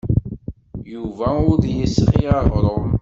Yuba ur d-yesɣi aɣrum.